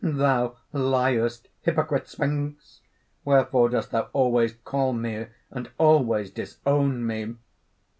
"Thou liest, hypocrite Sphinx! Wherefore dost thou always call me and always disown me!"